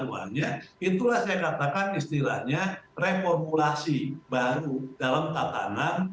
itulah saya katakan istilahnya reformulasi baru dalam tatanan